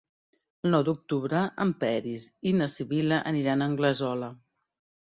El nou d'octubre en Peris i na Sibil·la aniran a Anglesola.